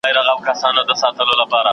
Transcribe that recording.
د ذهن ځواک بې پایه دی.